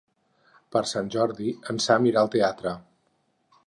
Per Sant Jordi en Sam irà al teatre.